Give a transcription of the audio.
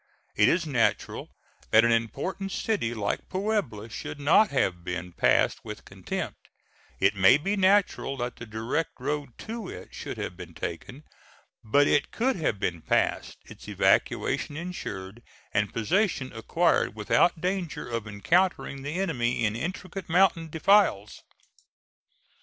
It is natural that an important city like Puebla should not have been passed with contempt; it may be natural that the direct road to it should have been taken; but it could have been passed, its evacuation insured and possession acquired without danger of encountering the enemy in intricate mountain defiles.